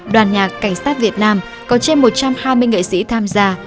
đoàn nhạc cảnh sát việt nam có trên một trăm hai mươi nghệ sĩ tham gia